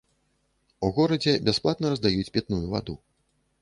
У горадзе бясплатна раздаюць пітную ваду.